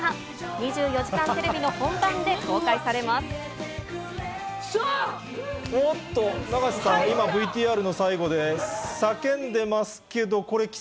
２４時間テレビの本番で公開されます。